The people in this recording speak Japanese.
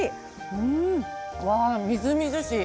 うんわみずみずしい！